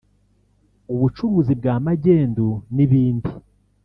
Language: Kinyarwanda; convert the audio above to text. ubucuruzi bwa magendu n’ibindi